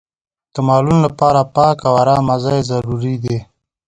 د مالونو لپاره پاک او ارامه ځای ضروري دی.